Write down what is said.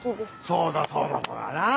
そうだそうだそうだ！なぁ！